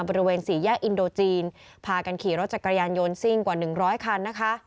บริเวณสี่แยกอินโดจีนพากันขี่รถจักรยานยนต์ซิ่งกว่า๑๐๐คันนะคะ